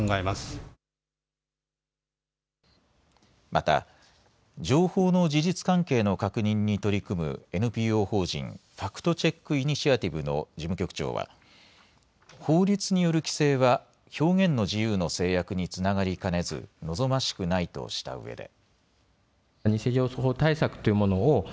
また情報の事実関係の確認に取り組むＮＰＯ法人、ファクトチェック・イニシアティブの事務局長は法律による規制は表現の自由の制約につながりかねず望ましくないとしたうえで。